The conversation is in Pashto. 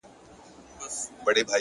هره هڅه راتلونکی بدلولای شي,